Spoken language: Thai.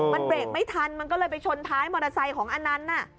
มันเบรกไม่ทันมันก็เลยไปชนท้ายมอเตอร์ไซค์ของอนันต์